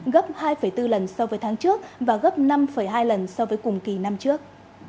gấp hai bốn lần so với tháng trước và gấp năm hai lần so với cùng kỳ năm trước